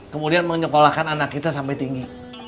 kemudian menyekolahkan anak kita sampai tinggi